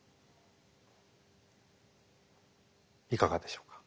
いかがでしょうか？